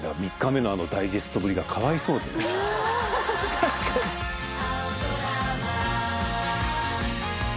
確かに ））